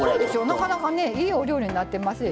なかなかいいお料理になってますよね。